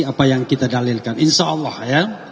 apa yang kita dalilkan insya allah ya